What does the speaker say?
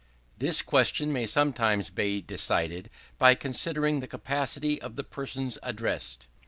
This question may sometimes be decided by considering the capacity of the persons addressed.